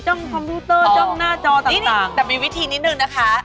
จ้องคอมพูเตอร์จ้องหน้าจอต่างต่างนี่นี่แต่มีวิธีนิดหนึ่งนะคะ